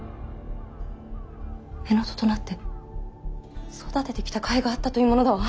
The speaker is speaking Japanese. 乳母父となって育ててきた甲斐があったというものだわ。